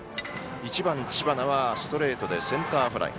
１番、知花はストレートでセンターフライ。